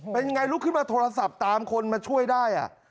เป็นยังไงลุกขึ้นมาโทรศัพท์ตามคนมาช่วยได้